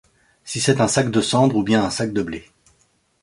Si c’est un sac de cendre ou bien un sac de blé.